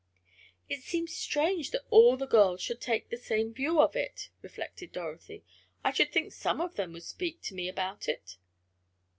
"It seems strange that all the girls should take the same view of it," reflected Dorothy. "I should think some of them would speak to me about it."